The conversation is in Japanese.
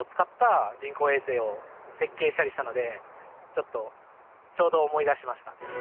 ちょっとちょうど思い出しました。